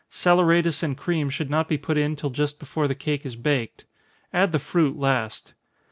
Saleratus and cream should not be put in till just before the cake is baked add the fruit last.